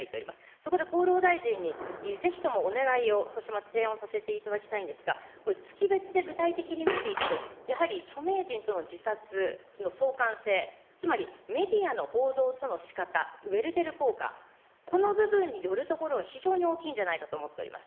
そこで厚労大臣にぜひともお願いを、そしてまた提案をさせていただきたいんですが、これ、月別で具体的に見ていくと、やはり著名人との自殺の相関性、つまりメディアの報道との仕方、ウェルテル効果、この部分によるところが非常に大きいんではないかと思っております。